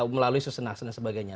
melalui susunan dan sebagainya